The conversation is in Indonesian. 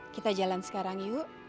kita jalan sekarang yuk